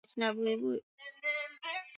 Mungu ibariki Pemba Mungu ibariki Zanzibar